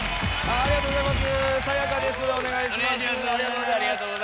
ありがとうございます。